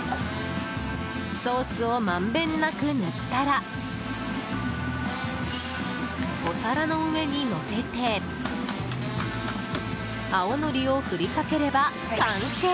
ソースをまんべんなく塗ったらお皿の上にのせて青のりを振りかければ、完成。